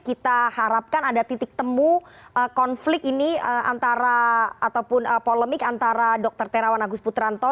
kita harapkan ada titik temu konflik ini antara ataupun polemik antara dr terawan agus putranto